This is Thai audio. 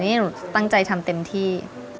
นี่หนูตั้งใจทำเต็มที่